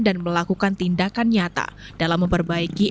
dan melakukan tindakan nyata dalam memperbaiki infrastruktur